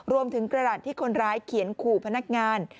รวมถึงกระหลัดที่คนร้ายเขียนขู่พนักงาน